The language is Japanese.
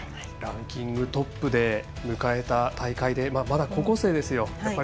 ランキングトップで迎えた大会でまだ、高校生ですよ。